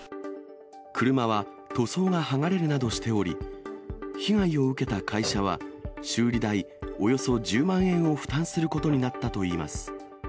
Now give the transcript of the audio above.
車は塗装が剥がれるなどしており、被害を受けた会社は、修理代およそ１０万円を負担することになったといいます。